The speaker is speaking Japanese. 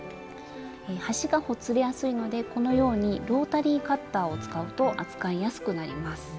端がほつれやすいのでこのようにロータリーカッターを使うと扱いやすくなります。